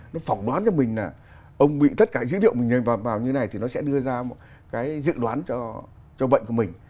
nó phỏng đoán cho mình là ông bị tất cả dữ liệu mình vào như này thì nó sẽ đưa ra một cái dự đoán cho bệnh của mình